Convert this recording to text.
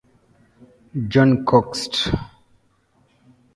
John Coxed.